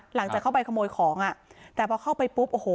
หลังจากเข้าไปขโมยของอ่ะแต่พอเข้าไปปุ๊บโอ้โห